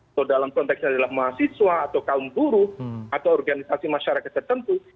atau dalam konteks adalah mahasiswa atau kaum buruh atau organisasi masyarakat tertentu